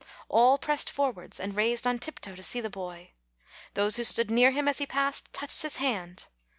All pressed forwards and raised on tiptoe to see the boy. Those who stood near him as he passed, touched his hand.